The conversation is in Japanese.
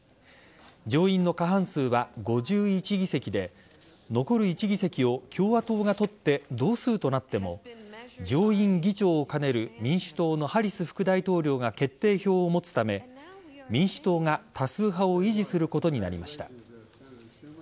上院の過半数は５１議席で残る１議席を共和党が取って同数となっても上院議長を兼ねる民主党のハリス副大統領が決定票を持つため民主党が多数派を維持することになりました。